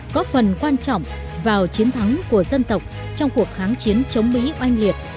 góp phần quan trọng vào chiến thắng của dân tộc trong cuộc kháng chiến chống mỹ oanh liệt